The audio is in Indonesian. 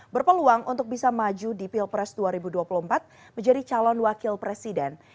berpeluang untuk bisa maju di pilpres dua ribu dua puluh empat menjadi calon wakil presiden